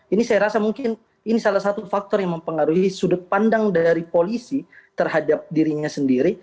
ini saya rasa mungkin ini salah satu faktor yang mempengaruhi sudut pandang dari polisi terhadap dirinya sendiri